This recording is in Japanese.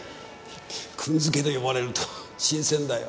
「くん」付けで呼ばれると新鮮だよ。